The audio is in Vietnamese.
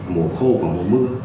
mùa khô và mùa mưa